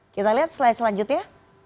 kita lihat slide selanjutnya